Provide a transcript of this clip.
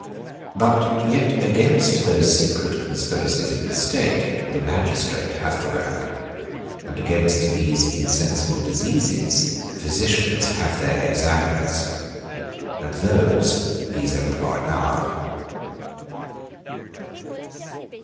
But yet against those secret conspiracies in the state, the magistrate hath the rack; and against these insensible diseases physicians have their examiners; and those these employ now.